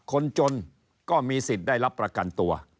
คนจนก็มีสิทธิ์ได้รับประกันตัว